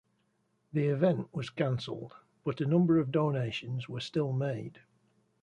The event was cancelled, but a number of donations were still made.